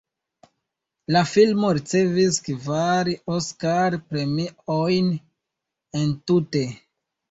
La filmo ricevis kvar Oskar-premiojn entute.